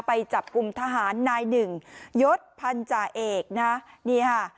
ไปจับกลุ่มทหารนายหนึ่งยศพันธาเอกนะนี่ค่ะ